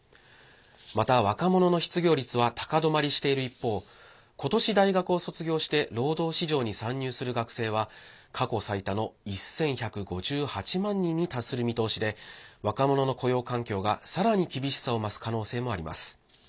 また、若者の失業率は高止まりしている一方今年、大学を卒業して労働市場に参入する学生は過去最多の１１５８万人に達する見通しで若者の雇用環境が、さらに厳しさを増す可能性もあります。